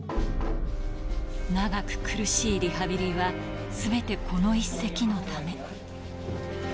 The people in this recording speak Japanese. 長く苦しいリハビリは、すべてこの一席のため。